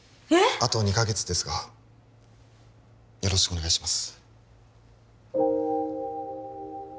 あと２カ月ですがよろしくお願いします